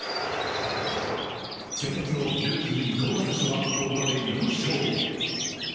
先発のルーキー伊藤将司はここまで４勝。